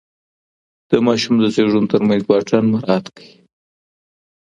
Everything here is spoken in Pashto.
د ماشوم د زیږون ترمنځ واټن مراعات کړئ.